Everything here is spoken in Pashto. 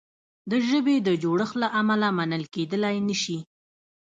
د ژبې د جوړښت له امله منل کیدلای نه شي.